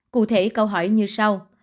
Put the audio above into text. cụ thể câu hỏi như sau